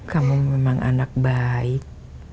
kamu memang anak baik